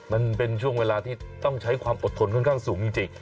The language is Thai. มันเป็นช่วงเวลาที่ต้องใช้ความอดทนค่อนข้างสูงจริง